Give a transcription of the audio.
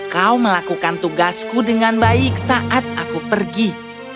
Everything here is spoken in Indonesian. kau melakukan tugasku dengan baik saat aku berada di rumahmu